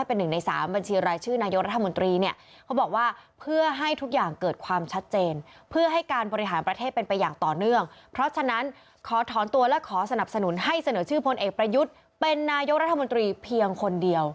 ถอนตัวและขอสนับสนุนให้เสนอชื่อพลเอกประยุทธ์เป็นนายกรัฐมนตรีเพียงคนเดียว